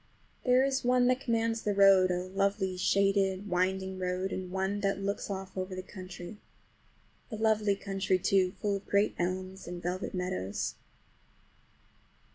There is one that commands the road, a lovely, shaded, winding road, and one that just looks off over the country. A lovely country, too, full of great elms and velvet meadows.